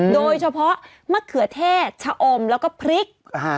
โดยเฉพาะมะเขือเทศชะอมแล้วก็พริก